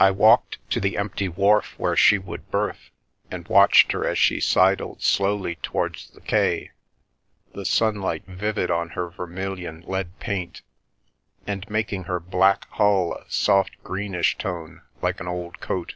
I walked to the empty wharf where she would berth, and watched her as she sidled slowly towards the quay, the sunlight vivid on her vermilion lead paint, and mak ing her black hull a soft greenish tone like an old coat.